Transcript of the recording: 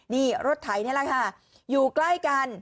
นี่รถไถนี่แหละค่ะอยู่ใกล้กัน